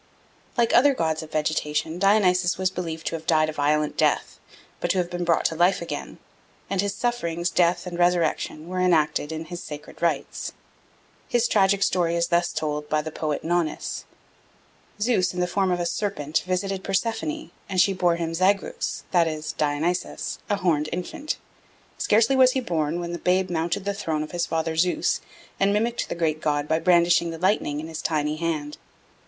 Like other gods of vegetation Dionysus was believed to have died a violent death, but to have been brought to life again; and his sufferings, death, and resurrection were enacted in his sacred rites. His tragic story is thus told by the poet Nonnus. Zeus in the form of a serpent visited Persephone, and she bore him Zagreus, that is, Dionysus, a horned infant. Scarcely was he born, when the babe mounted the throne of his father Zeus and mimicked the great god by brandishing the lightning in his tiny hand.